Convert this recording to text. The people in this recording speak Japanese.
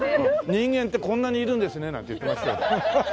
人間ってこんなにいるんですねなんて言ってましたよ。